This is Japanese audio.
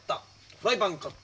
フライパン買った。